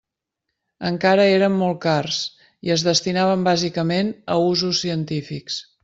Encara eren molt cars, i es destinaven bàsicament a usos científics.